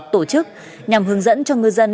tổ chức nhằm hướng dẫn cho ngư dân